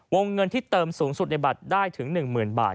เงินที่เติมสูงสุดในบัตรได้ถึง๑๐๐๐บาท